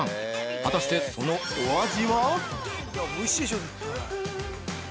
果たしてそのお味は？